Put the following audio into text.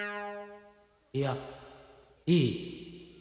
いやいい